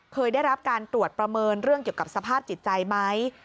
เคยได้รับการตรวจประเมินเรื่องเกี่ยวกับสภาพจิตใจไหม